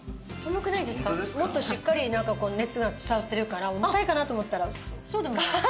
もっとしっかりなんかこう熱が伝わってるから重たいかなと思ったらそうでもない。